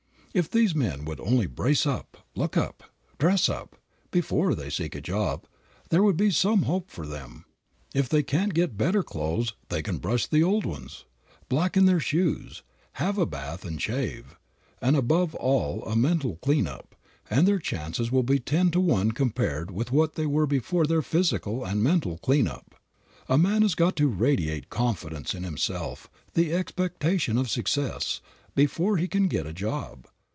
If these men would only brace up, look up, dress up, before they seek a job, there would be some hope for them. If they can't get better clothes they can brush the old ones, blacken their shoes, have a bath and shave, and above all a mental clean up, and their chances will be ten to one compared with what they were before their physical and mental clean up. A man has got to radiate confidence in himself, the expectation of success, before he can get a job.